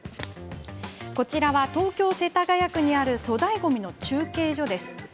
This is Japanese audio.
こちらは、東京・世田谷区にある粗大ごみの中継所です。